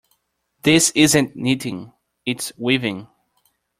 This isn't knitting, its weaving.